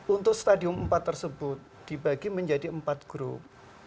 untuk stadium empat tersebut dibagi menjadi empat grup